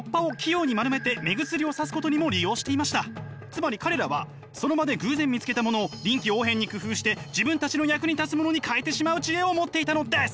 つまり彼らはその場で偶然見つけたものを臨機応変に工夫して自分たちの役に立つものに変えてしまう知恵を持っていたのです！